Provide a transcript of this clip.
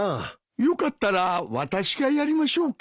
よかったら私がやりましょうか？